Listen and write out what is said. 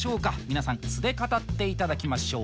皆さん素で語って頂きましょう。